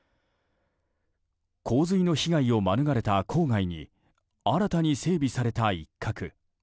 洪水の被害を免れた郊外に新たに整備された一角。